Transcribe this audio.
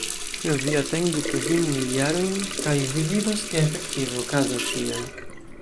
Vi atendu kvin mil jarojn, kaj vi vidos, ke efektive okazos tiel.